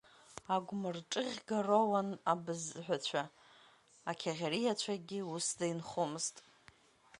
Агәмырҿыӷьга роуан абызҳәацәа, ақьаӷьариацәагьы усда инхомызт.